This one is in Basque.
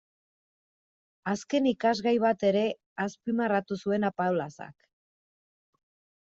Azken ikasgai bat ere azpimarratu zuen Apaolazak.